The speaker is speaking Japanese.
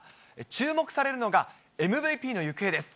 注目されるのが、ＭＶＰの行方です。